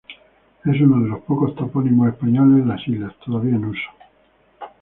Es uno de los pocos topónimos españoles en las islas, todavía en uso.